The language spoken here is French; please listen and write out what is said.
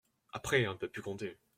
Après, on ne peut plus compter.